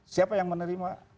siapa yang menerima